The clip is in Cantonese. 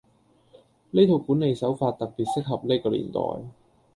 呢套管理手法特別適合呢個年代